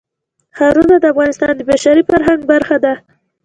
ښارونه د افغانستان د بشري فرهنګ برخه ده.